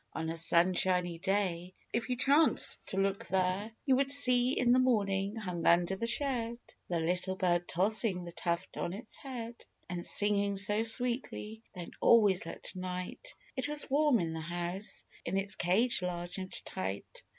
On a sunshiny day, if you chanced to look there, You would see in the morning, hung under the shed, The little bird tossing the tuft on its head ; And singing so sweetly ; then, always at night, It was warm in the house, in its cage large and tight.